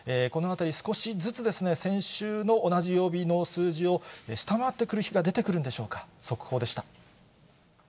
このあたり、少しずつ、先週の同じ曜日の数字を、下回ってくる日が出てくるんでしょうか。